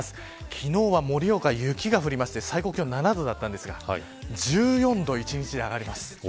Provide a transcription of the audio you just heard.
昨日は盛岡、雪が降りまして最高気温７度でしたが１４度、１日で上がります。